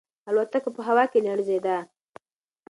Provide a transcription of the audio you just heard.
الوتکه په هوا کې لړزیده.